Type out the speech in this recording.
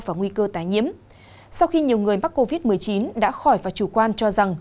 và nguy cơ tái nhiễm sau khi nhiều người mắc covid một mươi chín đã khỏi và chủ quan cho rằng